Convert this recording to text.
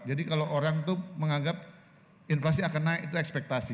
jadi kalau orang itu menganggap inflasi akan naik itu ekspektasi